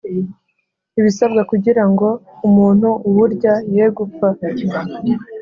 ibisabwa kugirango ngo umuntu uwurya ye gupfa